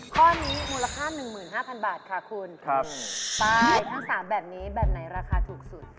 ข้อนี้มูลค่า๑๕๐๐๐บาทค่ะคุณไปทั้ง๓แบบนี้แบบไหนราคาถูกสุด